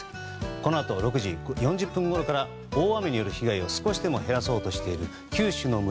このあと６時４０分ごろから大雨による被害を少しでも減らそうとしている九州の村